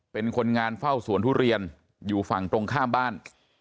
เป็นคนงานเฝ้าสวนทุเรียนอยู่ฝั่งตรงข้ามบ้าน